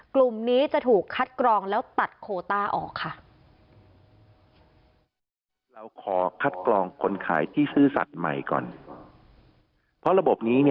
กลุ่มนี้จะถูกคัดกรองแล้วตัดโคต้าออกค่ะ